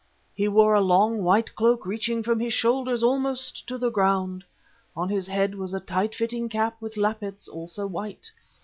He wore a long, white cloak reaching from his shoulders almost to the ground. On his head was a tight fitting cap with lappets, also white.